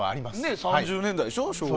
昭和３０年代でしょ。